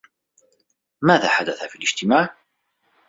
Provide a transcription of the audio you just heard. ماذا حدث في الاجتماع؟